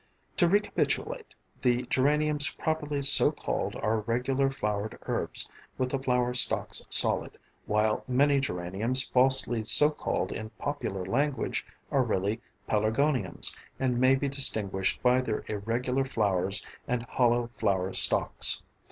To recapitulate, the geraniums properly so called are regular flowered herbs with the flower stalks solid, while many geraniums falsely so called in popular language are really pelargoniums, and may be distinguished by their irregular flowers and hollow flower stalks.